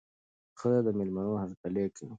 ښځه د مېلمنو هرکلی کوي.